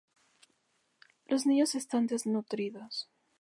Los niños están desnutridos.